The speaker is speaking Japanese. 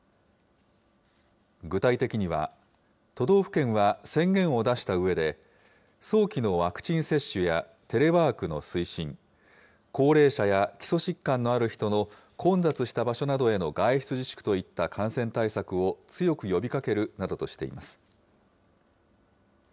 具体的には、都道府県は宣言を出したうえで、早期のワクチン接種やテレワークの推進、高齢者や基礎疾患のある人の混雑した場所などへの外出自粛といった感染対策を強く呼びかけるなどとしています。